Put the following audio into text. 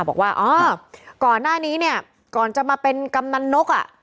บอกว่าอ๋อก่อนหน้านี้เนี่ยก่อนจะมาเป็นกำนันนกอ่ะ